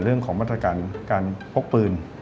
เรื่องของมาตรการการพกปืน